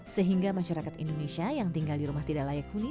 sehingga masyarakat indonesia yang tinggal di rumah tidak layak huni